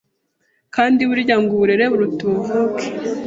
kandi burya ngo uburere buruta ubuvuke,